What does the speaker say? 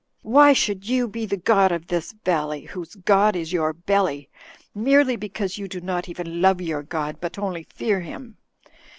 Why should you be the god of this valley, whose god is )rour belly, merely because you do not even love your god, but only fear him?